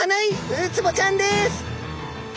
ウツボちゃんです。